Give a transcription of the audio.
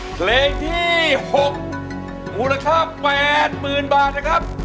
เพลงที่๖มูลค่าแมนหมื่นบาทนะครับ